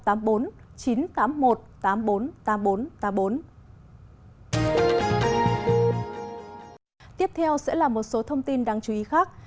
tiếp theo sẽ là một số thông tin đáng chú ý khác